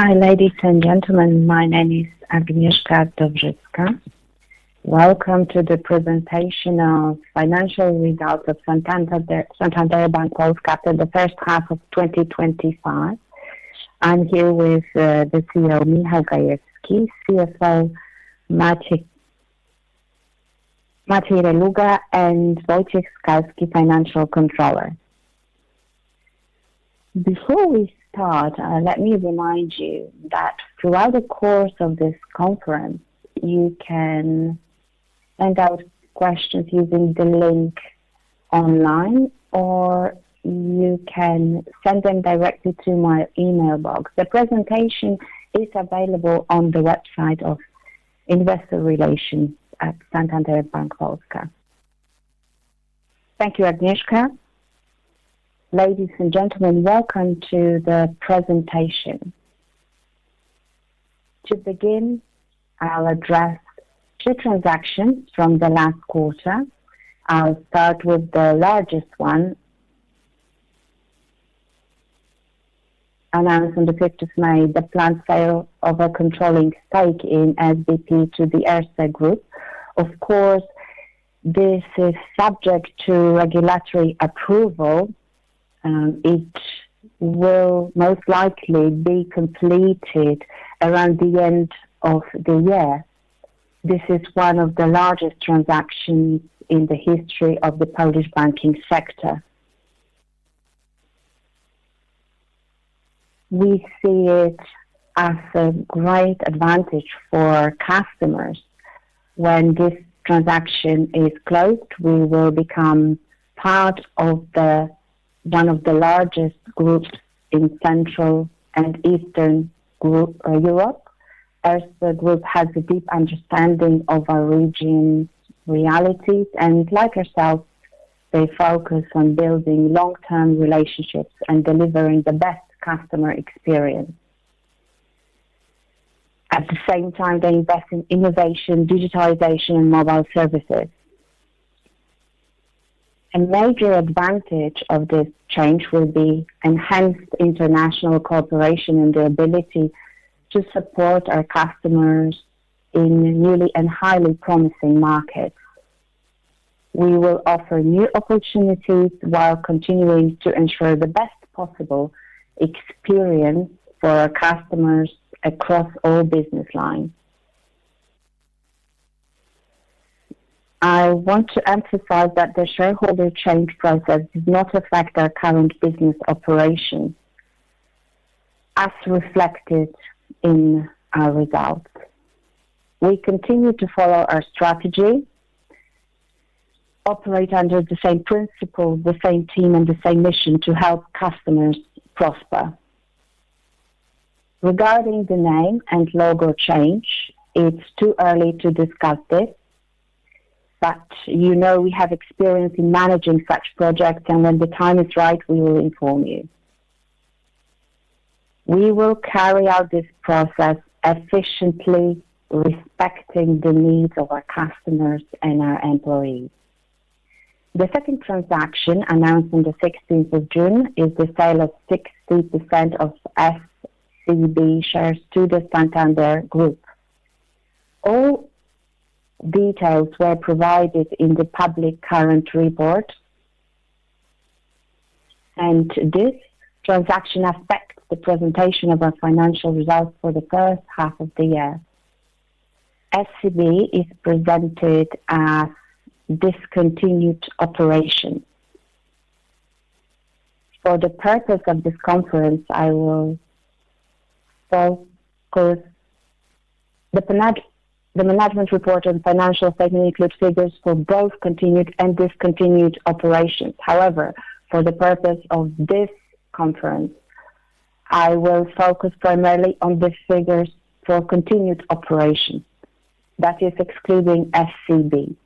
Hi, ladies and gentlemen. My name is Agnieszka Dowżycka. Welcome to the presentation of financial results of Santander Bank Polska for the first half of 2025. I'm here with the CEO, Michał Gajewski, CFO Maciej Reluga, and Wojciech Skalski, Financial Controller. Before we start, let me remind you that throughout the course of this conference, you can send out questions using the link online or you can send them directly to my email box. The presentation is available on the website of Investor Relations at Santander Bank Polska. Thank you, Agnieszka. Ladies and gentlemen, welcome to the presentation. To begin, I'll address two transactions from the last quarter. I'll start with the largest one. Announced on the 5th of May, the planned sale of a controlling stake in SBP to Erste Group. Of course, this is subject to regulatory approval. It will most likely be completed around the end of the year. This is one of the largest transactions in the history of the Polish banking sector. We see it as a great advantage for customers. When this transaction is closed, we will become part of one of the largest groups in Central and Eastern Group Europe. Erste Group has a deep understanding of our region's realities, and like ourselves, they focus on building long-term relationships and delivering the best customer experience. At the same time, they invest in innovation, digitization, and mobile services. A major advantage of this change will be enhanced international cooperation and the ability to support our customers in newly and highly promising markets. We will offer new opportunities while continuing to ensure the best possible experience for our customers across all business lines. I want to emphasize that the shareholder change process does not affect our current business operations. As reflected in our results, we continue to follow our strategy, operate under the same principle, the same team, and the same mission to help customers prosper. Regarding the name and logo change, it's too early to discuss this, but you know we have experience in managing such projects, and when the time is right, we will inform you. We will carry out this process efficiently, respecting the needs of our customers and our employees. The second transaction announced on the 16th of June is the sale of 60% of SCB shares to the Santander Group. All details were provided in the public current report. This transaction affects the presentation of our financial results for the first half of the year. SCB is presented as discontinued operations. For the purpose of this conference, I will focus. The management report and financial statement include figures for both continued and discontinued operations. However, for the purpose of this conference, I will focus primarily on the figures for continued operations, that is excluding SCB.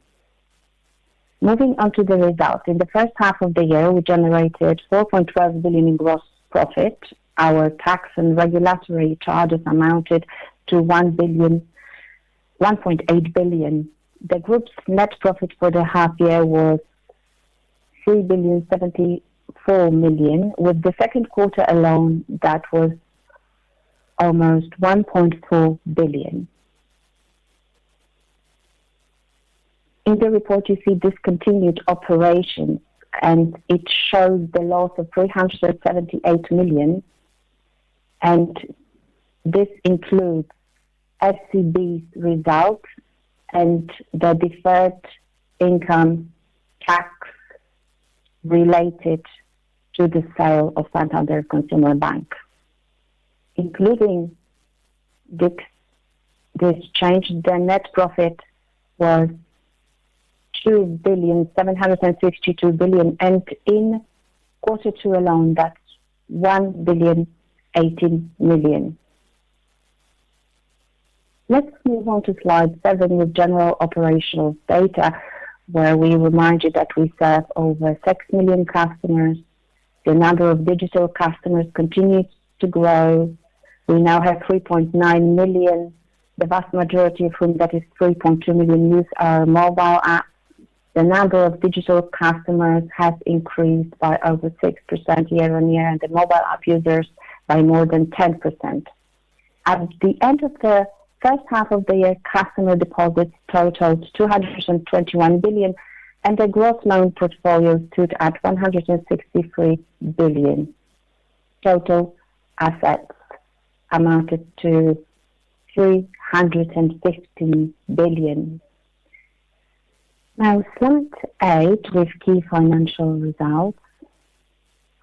Moving on to the results. In the first half of the year, we generated 4.12 billion in gross profit. Our tax and regulatory charges amounted to 1.8 billion. The group's net profit for the half year was 3.074 billion, with the second quarter alone, that was almost 1.4 billion. In the report, you see discontinued operations, and it shows the loss of 378 million. This includes SCB's results and the deferred income tax related to the sale of Santander Consumer Bank. Including this change, the net profit was 2.762 billion, and in quarter two alone, that is 1.018 billion. Let's move on to slide seven with general operational data, where we remind you that we serve over 6 million customers. The number of digital customers continues to grow. We now have 3.9 million, the vast majority of whom—that is 3.2 million—use our mobile app. The number of digital customers has increased by over 6% year on year, and the mobile app users by more than 10%. At the end of the first half of the year, customer deposits totaled 221 billion, and the gross loan portfolio stood at 163 billion. Total assets amounted to 315 billion. Now, slide eight with key financial results.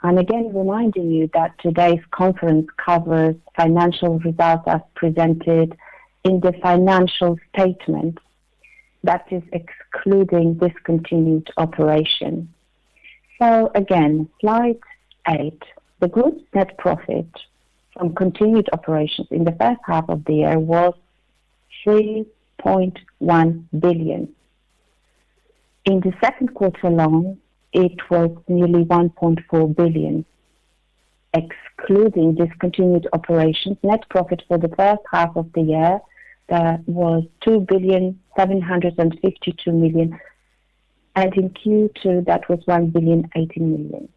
I'm again reminding you that today's conference covers financial results as presented in the financial statement, that is excluding discontinued operations. So again, slide eight. The group's net profit from continued operations in the first half of the year was 3.1 billion. In the second quarter alone, it was nearly 1.4 billion. Excluding discontinued operations, net profit for the first half of the year, that was 2.752 billion, and in Q2, that was 1.018 billion.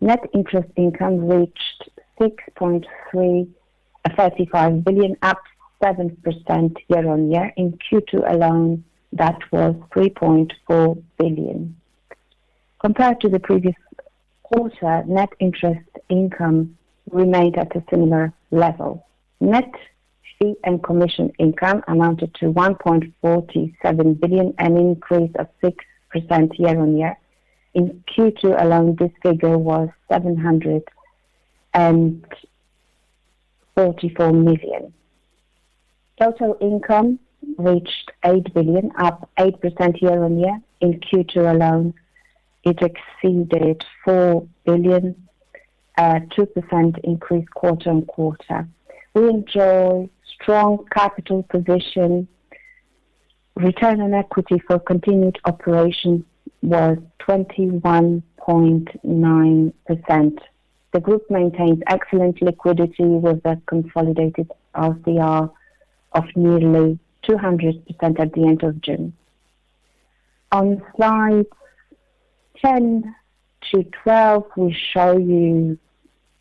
Net interest income reached 6.335 billion, up 7% year on year. In Q2 alone, that was 3.4 billion. Compared to the previous quarter, net interest income remained at a similar level. Net fee and commission income amounted to 1.47 billion, an increase of 6% year on year. In Q2 alone, this figure was 744 million. Total income reached 8 billion, up 8% year on year. In Q2 alone, it exceeded 4 billion. A 2% increase quarter on quarter. We enjoy strong capital position. Return on equity for continued operations was 21.9%. The group maintains excellent liquidity with a consolidated LCR of nearly 200% at the end of June. On slides 10-12, we show you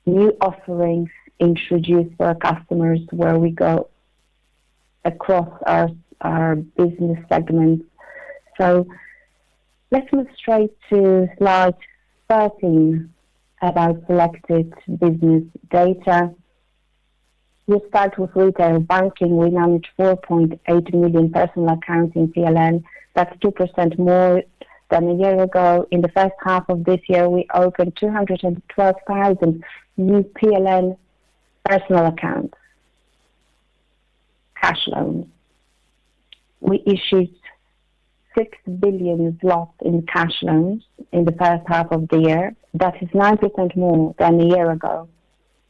new offerings introduced for our customers where we go across our business segments. So let's move straight to slide 13 about selected business data. We start with retail banking. We manage 4.8 million personal accounts in PLN. That's 2% more than a year ago. In the first half of this year, we opened 212,000 new PLN personal accounts. Cash loans. We issued 6 billion zlotys slot in cash loans in the first half of the year. That is 9% more than a year ago.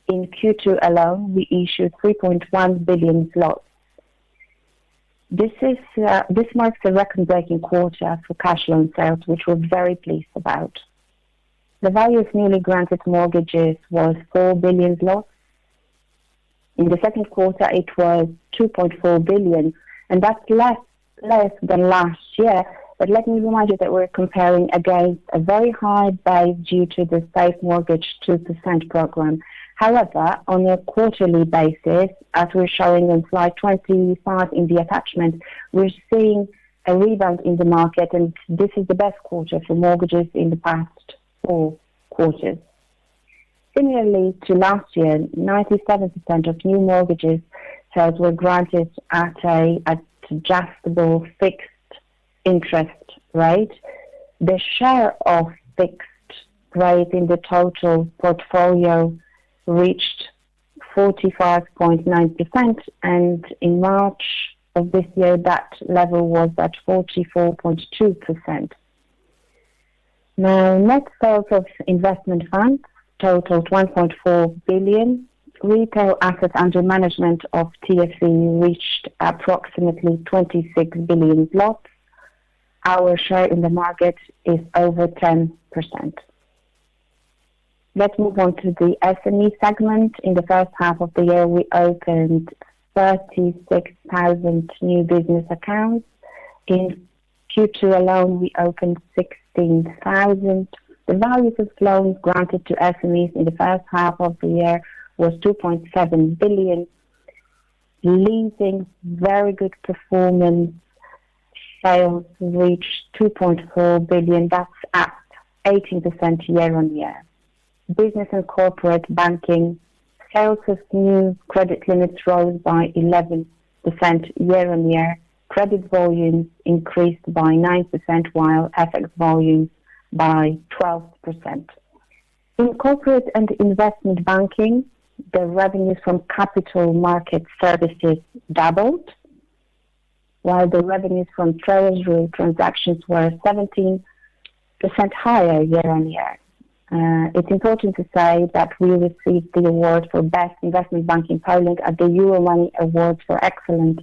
In Q2 alone, we issued 3.1 billion zlotys slot. This marks a record-breaking quarter for cash loan sales, which we're very pleased about. The value of newly granted mortgages was 4 billion slot. In the second quarter, it was 2.4 billion, and that's less than last year. But let me remind you that we're comparing against a very high base due to the Safe Mortgage 2% Program. However, on a quarterly basis, as we're showing on slide 25 in the attachment, we're seeing a rebound in the market, and this is the best quarter for mortgages in the past four quarters. Similarly to last year, 97% of new mortgage sales were granted at an adjustable fixed interest rate. The share of fixed rate in the total portfolio reached 45.9%, and in March of this year, that level was at 44.2%. Now, net sales of investment funds totaled 1.4 billion. Retail assets under management of TFC reached approximately 26 billion slot. Our share in the market is over 10%. Let's move on to the SME segment. In the first half of the year, we opened 36,000 new business accounts. In Q2 alone, we opened 16,000. The value of loans granted to SMEs in the first half of the year was 2.7 billion. Leasing, very good performance. Sales reached 2.4 billion. That's up 18% year on year. Business and corporate banking sales of new credit limits rose by 11% year on year. Credit volumes increased by 9%, while asset volumes by 12%. In corporate and investment banking, the revenues from capital market services doubled, while the revenues from treasury transactions were 17% higher year on year. It's important to say that we received the award for best investment bank in Poland at the Euromoney Award for Excellence,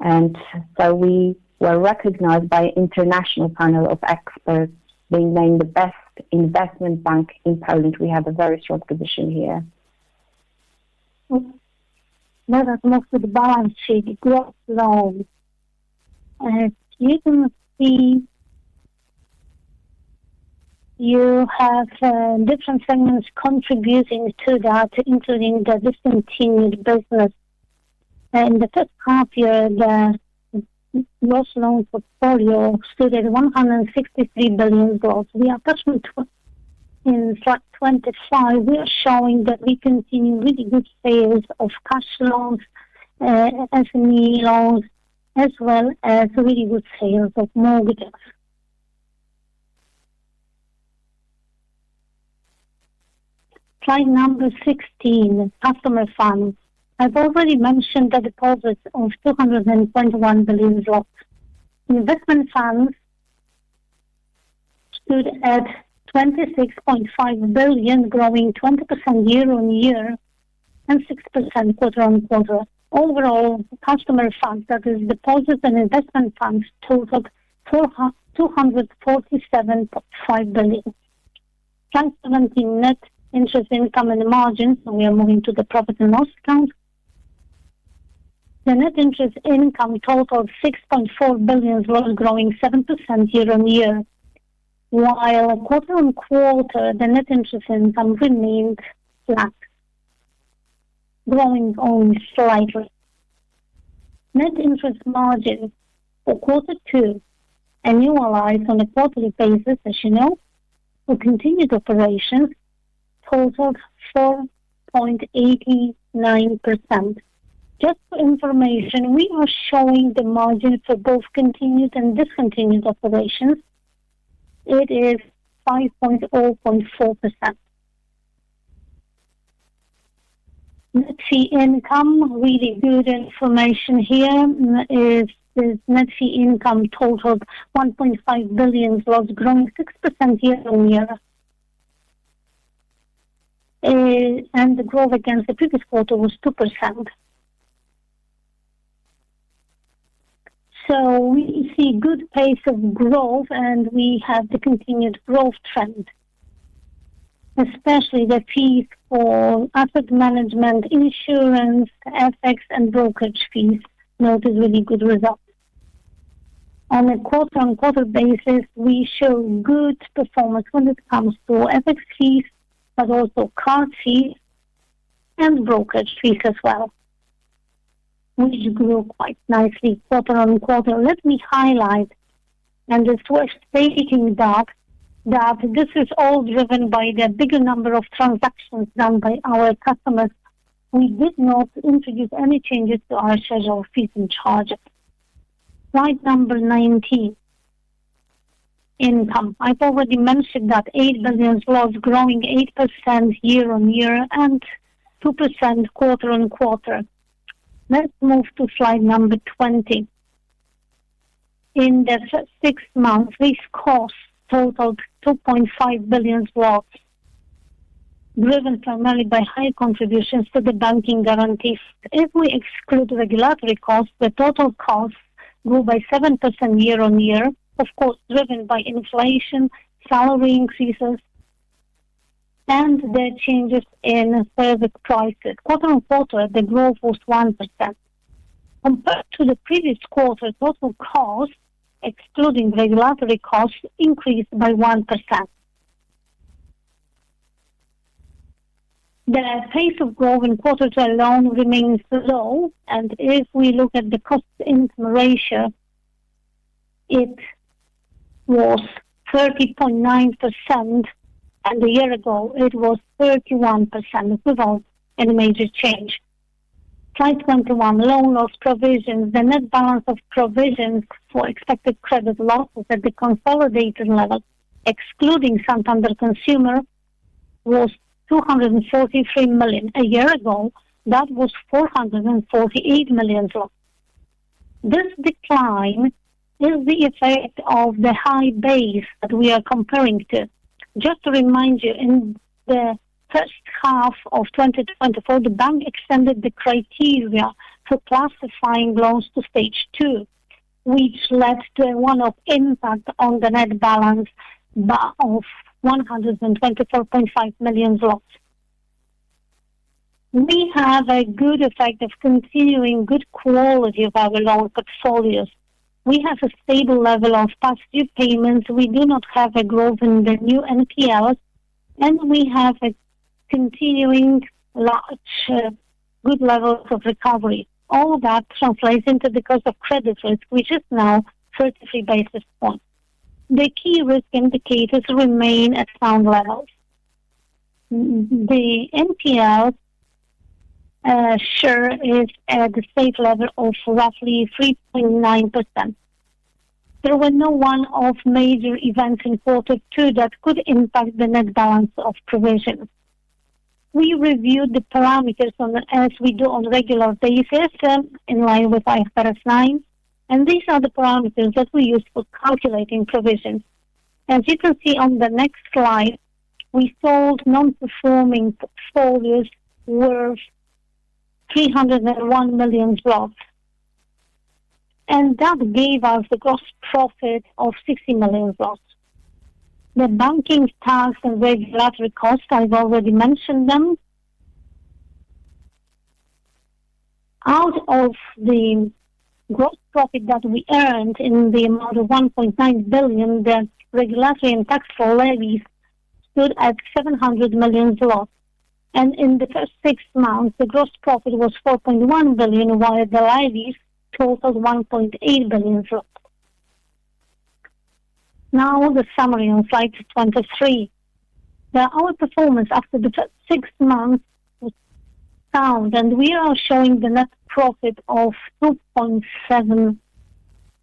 and so we were recognized by an international panel of experts. They named the best investment bank in Poland. We have a very strong position here. Now that is most of the balance sheet, gross loans. You can see. You have different segments contributing to that, including the discontinued business. In the first half year, the gross loan portfolio stood at PLN 163 billion gross. We are approximately. In slide 25, we are showing that we continue really good sales of cash loans, SME loans, as well as really good sales of mortgages. Slide number 16, customer funds. I have already mentioned the deposits of PLN 221 billion. Investment funds stood at 26.5 billion, growing 20% year on year and 6% quarter on quarter. Overall, customer funds, that is, deposits and investment funds, totaled 247.5 billion. Slide 17, net interest income and margins. We are moving to the profit and loss accounts. The net interest income totaled 6.4 billion gross, growing 7% year on year, while quarter on quarter, the net interest income remained flat, growing only slightly. Net interest margin for quarter two, annualized on a quarterly basis, as you know, for continued operations, totaled 4.89%. Just for information, we are showing the margin for both continued and discontinued operations. It is 5.04%. Net fee income, really good information here. Net fee income totaled 1.5 billion gross, growing 6% year on year, and the growth against the previous quarter was 2%. We see good pace of growth, and we have the continued growth trend. Especially the fees for asset management, insurance, FX, and brokerage fees noted really good results. On a quarter-on-quarter basis, we show good performance when it comes to FX fees, but also card fees and brokerage fees as well, which grew quite nicely quarter on quarter. Let me highlight, and it is worth stating that this is all driven by the bigger number of transactions done by our customers. We did not introduce any changes to our schedule of fees and charges. Slide number 19, income. I have already mentioned that 8 billion gross, growing 8% year on year and 2% quarter on quarter. Let's move to slide number 20. In the first six months, these costs totaled 2.5 billion gross, driven primarily by high contributions to the banking guarantees. If we exclude regulatory costs, the total costs grew by 7% year on year, of course, driven by inflation, salary increases, and the changes in service prices. Quarter on quarter, the growth was 1%. Compared to the previous quarter, total costs, excluding regulatory costs, increased by 1%. The pace of growth in quarter two alone remains low, and if we look at the cost-income ratio, it was 30.9%. A year ago, it was 31%, without any major change. Slide 21, loan loss provisions. The net balance of provisions for expected credit losses at the consolidated level, excluding Santander Consumer Bank, was 243 million. A year ago, that was 448 million gross. This decline is the effect of the high base that we are comparing to. Just to remind you, in the first half of 2024, the bank extended the criteria for classifying loans to stage two, which led to a one-off impact on the net balance of 124.5 million gross. We have a good effect of continuing good quality of our loan portfolios. We have a stable level of past due payments. We do not have a growth in the new NPLs, and we have a continuing large good level of recovery. All of that translates into the cost of credit risk, which is now 33 basis points. The key risk indicators remain at sound levels. The NPL share is at a safe level of roughly 3.9%. There were no one-off major events in quarter two that could impact the net balance of provisions. We reviewed the parameters as we do on a regular basis, in line with IFRS 9, and these are the parameters that we use for calculating provisions. As you can see on the next slide, we sold non-performing portfolios worth 301 million gross, and that gave us a gross profit of 60 million gross. The banking tax and regulatory costs, I have already mentioned them. Out of the gross profit that we earned in the amount of 1.9 billion, the regulatory and taxable levies stood at 700 million zloty gross. In the first six months, the gross profit was 4.1 billion, while the levies totaled 1.8 billion zloty gross. Now, the summary on slide 23. Our performance after the first six months was sound, and we are showing the net profit of 2.7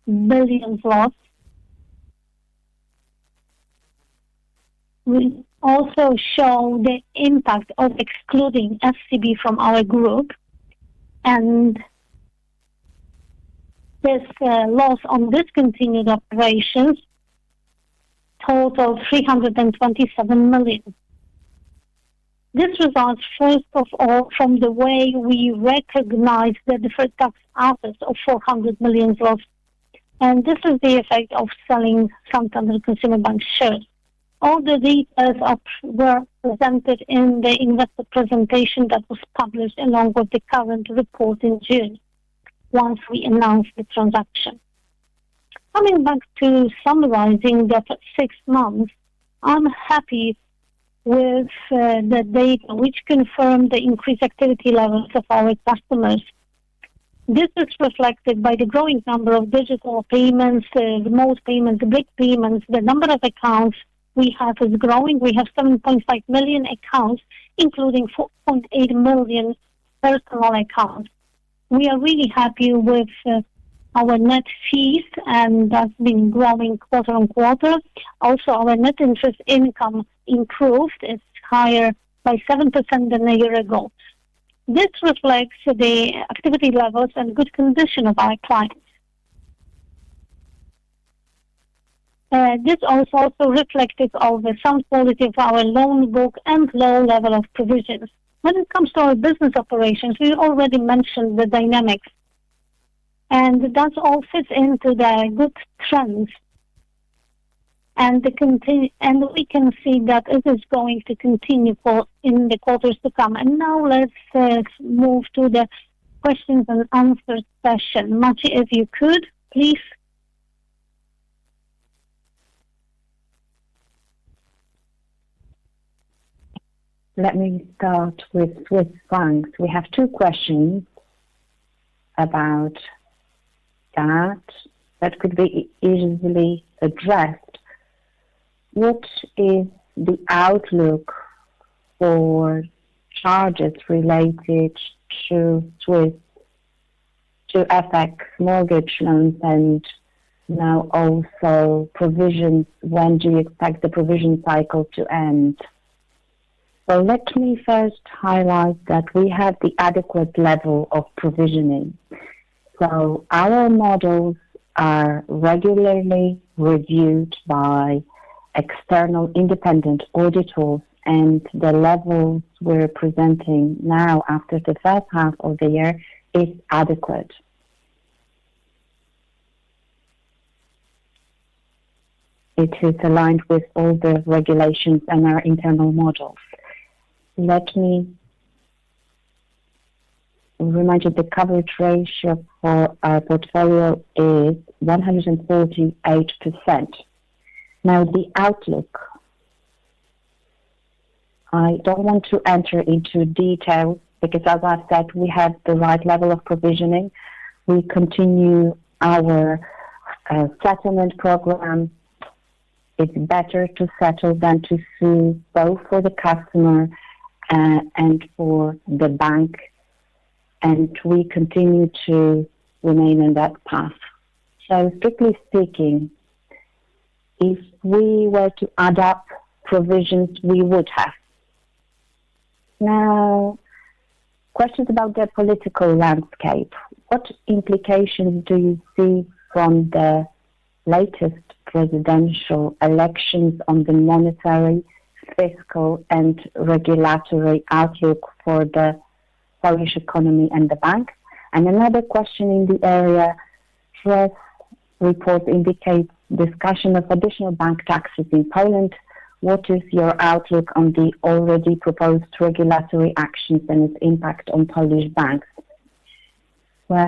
billion gross. We also show the impact of excluding FCB from our group, and this loss on discontinued operations totaled 327 million. This results, first of all, from the way we recognized the deferred tax assets of 400 million gross, and this is the effect of selling Santander Consumer Bank shares. All the details were presented in the investor presentation that was published along with the current report in June, once we announced the transaction. Coming back to summarizing the first six months, I'm happy with the data, which confirmed the increased activity levels of our customers. This is reflected by the growing number of digital payments, remote payments, BIC payments. The number of accounts we have is growing. We have 7.5 million accounts, including 4.8 million personal accounts. We are really happy with our net fees, and that's been growing quarter on quarter. Also, our net interest income improved. It's higher by 7% than a year ago. This reflects the activity levels and good condition of our clients. This also reflects the sound quality of our loan book and low level of provisions. When it comes to our business operations, we already mentioned the dynamics. That all fits into the good trends. We can see that it is going to continue in the quarters to come. Now let's move to the questions and answers session. Mattie, if you could, please. Let me start with Swiss banks. We have two questions about that that could be easily addressed. What is the outlook for charges related to Swiss FX mortgage loans and now also provisions? When do you expect the provision cycle to end? Let me first highlight that we have the adequate level of provisioning. Our models are regularly reviewed by external independent auditors, and the levels we're presenting now after the first half of the year is adequate. It is aligned with all the regulations and our internal models. Let me remind you the coverage ratio for our portfolio is 148%. Now, the outlook. I don't want to enter into detail because, as I said, we have the right level of provisioning. We continue our settlement program. It's better to settle than to sue, both for the customer and for the bank. We continue to remain on that path. Strictly speaking, if we were to adopt provisions, we would have. Now, questions about the political landscape. What implications do you see from the latest presidential elections on the monetary, fiscal, and regulatory outlook for the Polish economy and the bank? Another question in the area. Press report indicates discussion of additional bank taxes in Poland. What is your outlook on the already proposed regulatory actions and its impact on Polish banks? I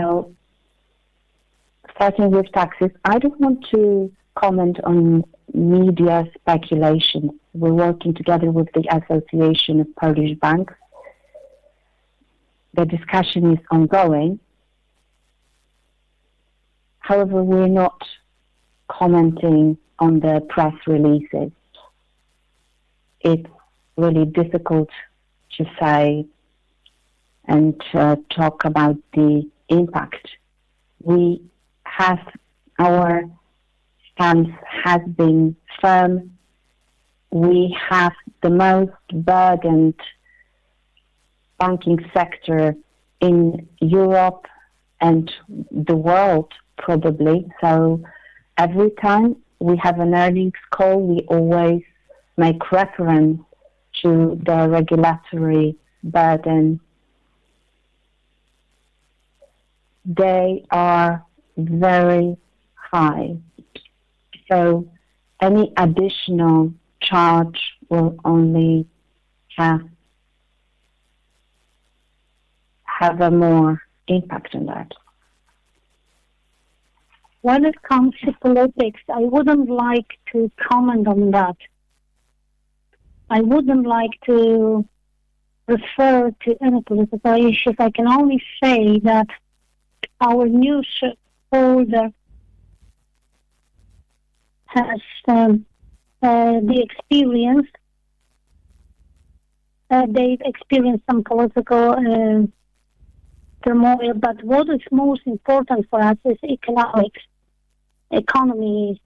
don't want to comment on media speculation. We're working together with the Association of Polish Banks. The discussion is ongoing. However, we're not commenting on the press releases. It's really difficult to say. And talk about the impact. We have our. Stance has been firm. We have the most burdened. Banking sector in Europe and the world, probably. So every time we have an earnings call, we always make reference to the regulatory burden. They are very high. So any additional. Charge will only. Have. A more impact on that. When it comes to politics, I wouldn't like to comment on that. I wouldn't like to. Refer to any political issues. I can only say that. Our new shareholder. Has. The experience. They've experienced some political. Turmoil, but what is most important for us is economics. Economy.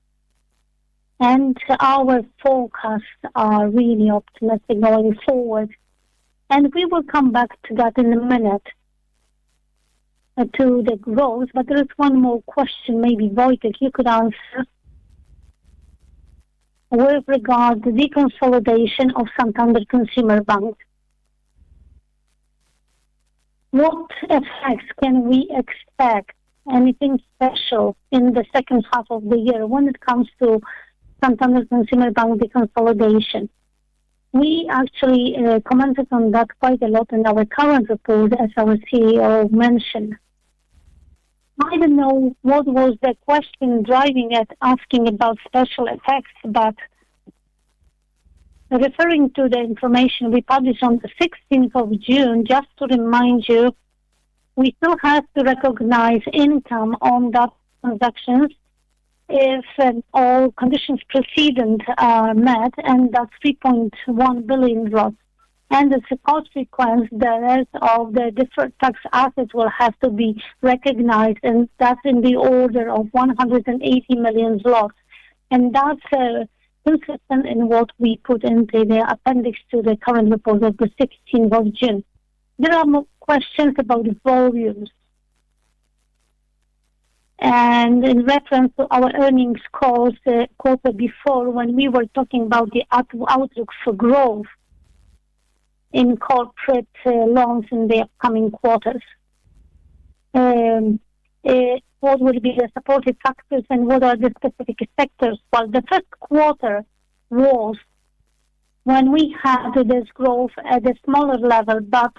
And our forecasts are really optimistic going forward. And we will come back to that in a minute. To the growth. But there is one more question, maybe, Wojciech, you could answer. With regard to the consolidation of Santander Consumer Bank. What effects can we expect, anything special, in the second half of the year when it comes to. Santander Consumer Bank's consolidation? We actually commented on that quite a lot in our current report, as our CEO mentioned. I don't know what was the question driving it, asking about special effects, but. Referring to the information we published on the 16th June, just to remind you. We still have to recognize income on that transaction. If all conditions precedent are met, and that's 3.1 billion gross. And the consequence there is of the deferred tax assets will have to be recognized, and that's in the order of 180 million zlotys gross. And that's consistent in what we put into the appendix to the current report of the 16th June. There are more questions about volumes. And in reference to our earnings calls the quarter before, when we were talking about the outlook for growth. In corporate loans in the upcoming quarters. What would be the supporting factors and what are the specific sectors? The first quarter was. When we had this growth at a smaller level, but.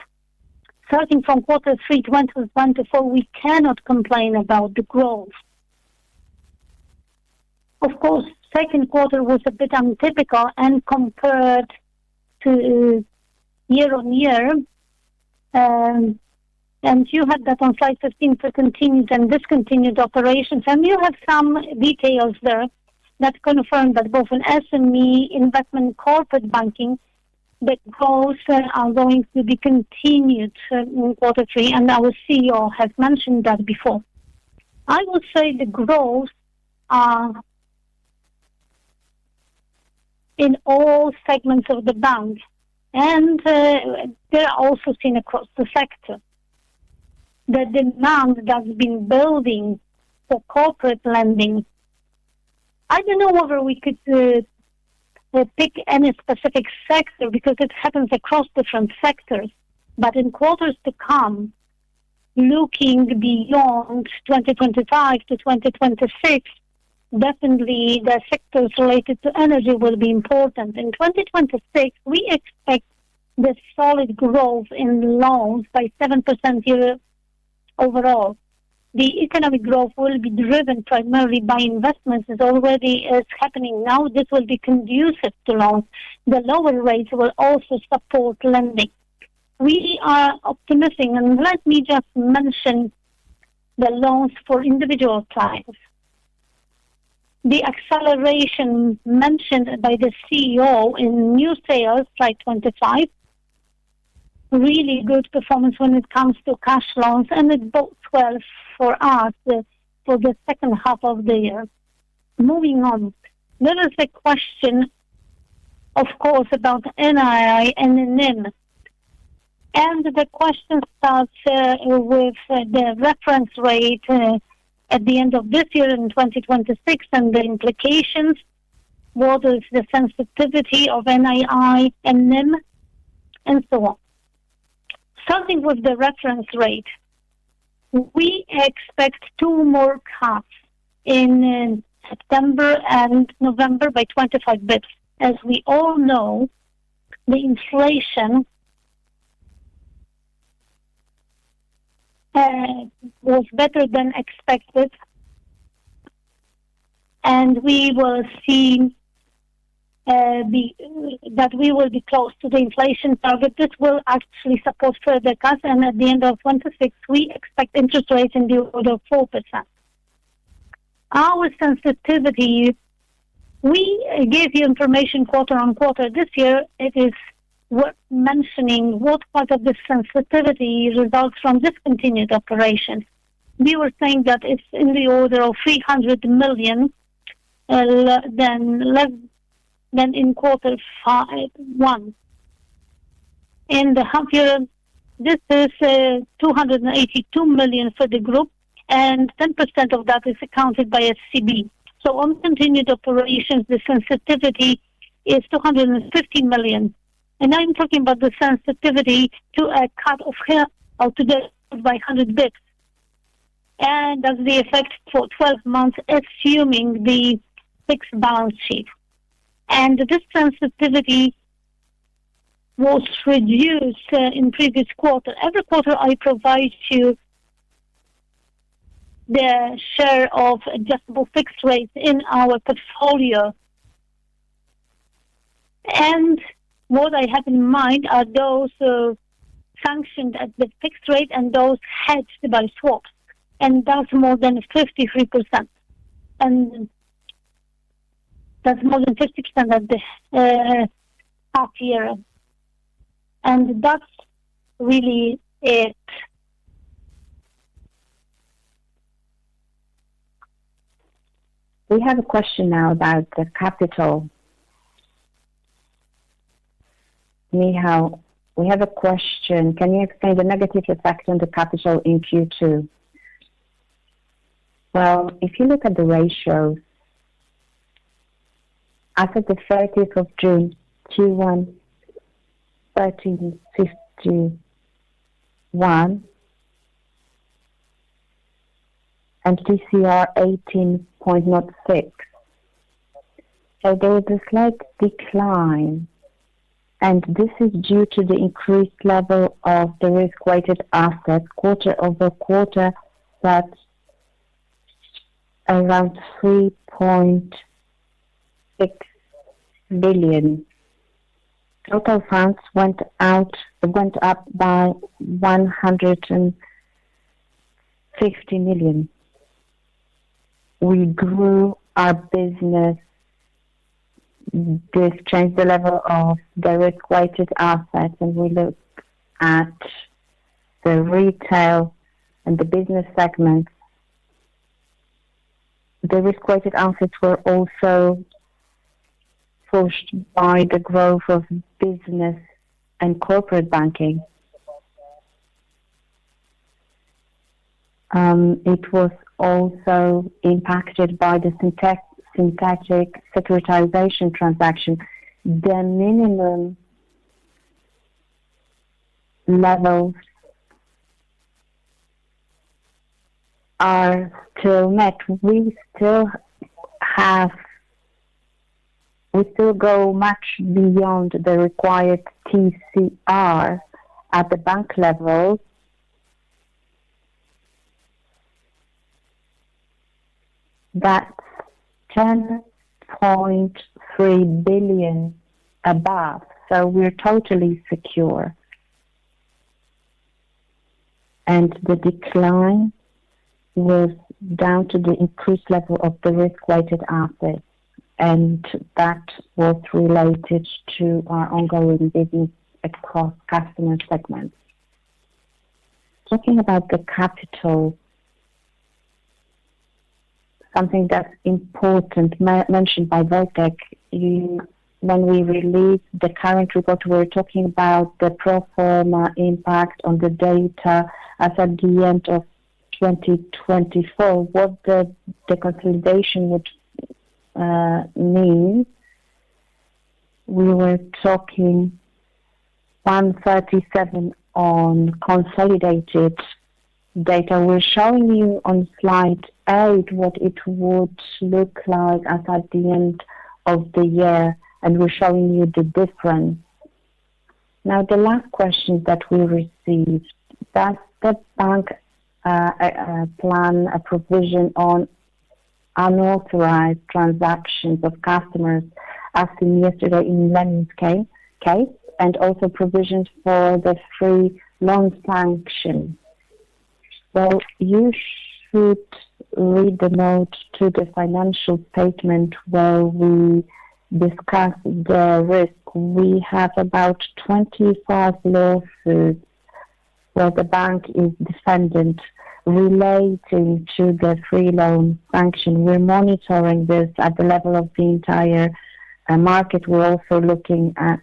Starting from quarter three to 2024, we cannot complain about the growth. Of course, the second quarter was a bit untypical and compared to. Year on year. And you had that on slide 15 for continued and discontinued operations. And you have some details there that confirm that both in SME investment, corporate banking, the growth are going to be continued in quarter three. And our CEO has mentioned that before. I would say the growth. In all segments of the bank, and. They're also seen across the sector. The demand that's been building for corporate lending. I don't know whether we could pick any specific sector because it happens across different sectors. In quarters to come, looking beyond 2025 to 2026, definitely, the sectors related to energy will be important. In 2026, we expect the solid growth in loans by 7% year overall. The economic growth will be driven primarily by investments. It's already happening now. This will be conducive to loans. The lower rates will also support lending. We are optimistic. Let me just mention the loans for individual clients. The acceleration mentioned by the CEO in new sales, slide 25. Really good performance when it comes to cash loans. It bodes well for us for the second half of the year. Moving on, there is a question, of course, about NII and NIM. The question starts with the reference rate at the end of this year in 2026 and the implications. What is the sensitivity of NII and NIM, and so on. Starting with the reference rate, we expect two more cuts in September and November by 25 basis points. As we all know, the inflation was better than expected. We will see that we will be close to the inflation target. This will actually support further cuts. At the end of 2026, we expect interest rates in the order of 4%. Our sensitivity, we gave you information quarter on quarter this year. It is mentioning what part of the sensitivity results from discontinued operations. We were saying that it's in the order of 300 million. In the half year, this is 282 million for the group, and 10% of that is accounted by SCB. On continued operations, the sensitivity is 250 million. I'm talking about the sensitivity to a cut of 100 basis points. That's the effect for 12 months, assuming the fixed balance sheet. This sensitivity was reduced in previous quarter. Every quarter, I provide you the share of adjustable fixed rates in our portfolio. What I have in mind are those sanctioned at the fixed rate and those hedged by swaps. That's more than 53%. That's more than 50% at the half year. That's really it. We have a question now about the capital. We have a question, can you explain the negative effect on the capital in Q2? If you look at the ratios as of the 30th June, Q1, 13.51, and TCR 18.06. There is a slight decline. This is due to the increased level of the risk-weighted asset, quarter over quarter, that is around 3.6 billion. Total funds went out. Went up by 150 million. We grew our business. We've changed the level of the risk-weighted assets, and we look at the retail and the business segments. The risk-weighted assets were also pushed by the growth of business and corporate banking. It was also impacted by the synthetic securitization transaction. The minimum levels are still met. We still have, we still go much beyond the required TCR at the bank level. That 10.3 billion above. So we're totally secure. The decline was down to the increased level of the risk-weighted assets. That was related to our ongoing business across customer segments. Talking about the capital, something that's important mentioned by Wojciech, when we released the current report, we were talking about the pro forma impact on the data. As of the end of 2024, what the consolidation would mean. We were talking 137 million on consolidated data. We're showing you on slide eight what it would look like as of the end of the year, and we're showing you the difference. Now, the last question that we received, that's the bank plan, a provision on unauthorized transactions of customers as seen yesterday in the Legal case, and also provisions for the free loan sanction. You should read the note to the financial statement where we discuss the risk. We have about 25 lawsuits where the bank is defendant relating to the free loan sanction. We're monitoring this at the level of the entire market. We're also looking at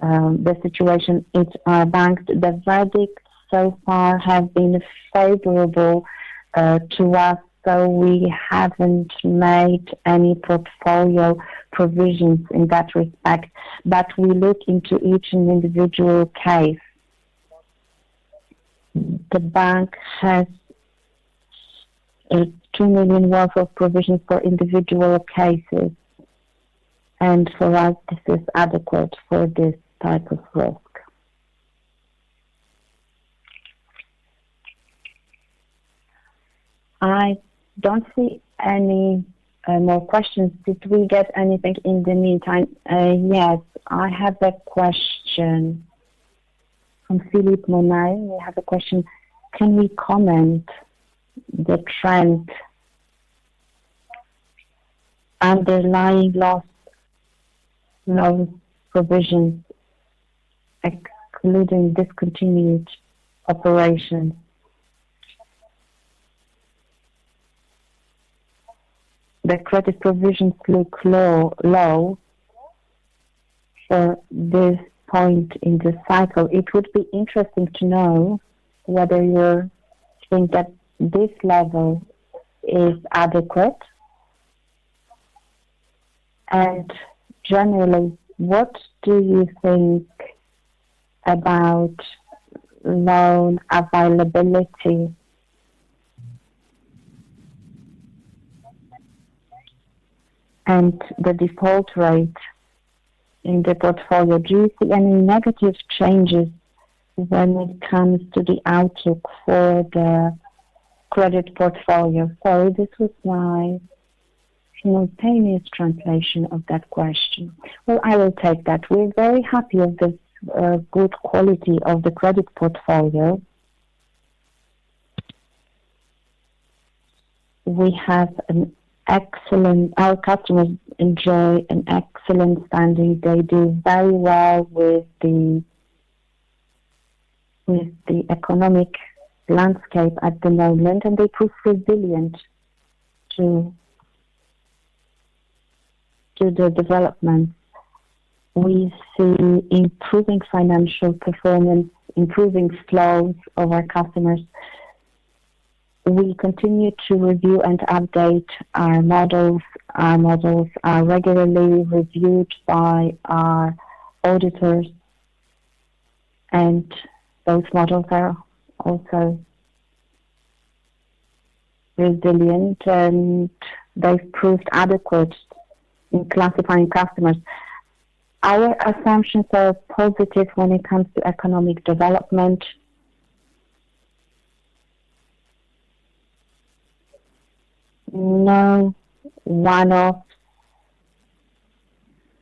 the situation in our bank. The verdicts so far have been favorable to us, so we haven't made any portfolio provisions in that respect. We look into each individual case. The bank has 2 million worth of provisions for individual cases. For us, this is adequate for this type of risk. I don't see any more questions. Did we get anything in the meantime? Yes, I have a question from Philippe Monet. We have a question. Can we comment the trend underlying lost loan provisions, excluding discontinued operations? The credit provisions look low for this point in the cycle. It would be interesting to know whether you think that this level is adequate. Generally, what do you think about loan availability and the default rate in the portfolio? Do you see any negative changes when it comes to the outlook for the credit portfolio? Sorry, this was my simultaneous translation of that question. I will take that. We're very happy with the good quality of the credit portfolio. We have an excellent—our customers enjoy an excellent standing. They do very well with the economic landscape at the moment, and they prove resilient to the development. We see improving financial performance, improving flows of our customers. We continue to review and update our models. Our models are regularly reviewed by our auditors. Those models are also resilient, and they've proved adequate in classifying customers. Our assumptions are positive when it comes to economic development. No one-off.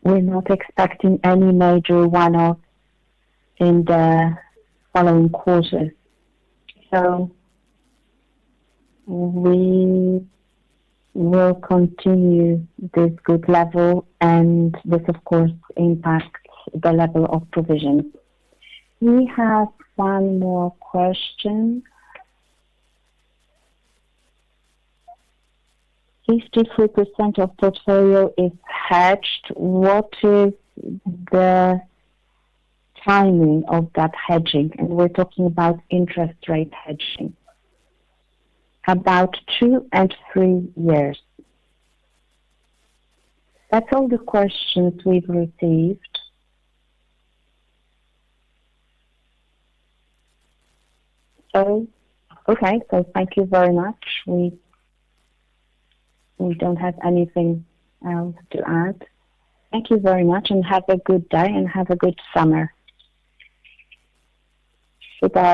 We're not expecting any major one-off in the following quarter. We will continue this good level, and this, of course, impacts the level of provision. We have one more question. 53% of portfolio is hedged. What is the timing of that hedging? We're talking about interest rate hedging. About two and three years. That's all the questions we've received. Thank you very much. We don't have anything else to add. Thank you very much, and have a good day and have a good summer. Goodbye.